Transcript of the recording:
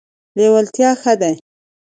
لیوالتیا ښه ده.